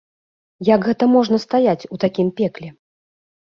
Як гэта можна стаяць у такім пекле?